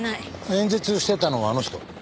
演説してたのはあの人？